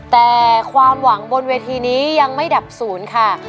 แต่ความหวังบนเวทีนี้ยังไม่ดับศูนย์ค่ะ